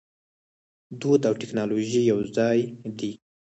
دود او ټیکنالوژي یوځای دي.